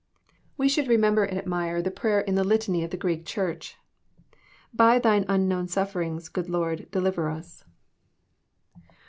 We should remember and admire the prayer in the Litany of JOHN, CHAP. xn. 347 the Greek Church, —" By Thine unknown sufferings, good Lord, deliver us."